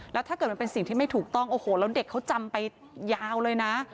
แล้วถ้าเกิดมันเป็นสิ่งที่ไม่ถูกต้องโอ้โหแล้วเด็กเขาจำไปยาวเลยนะ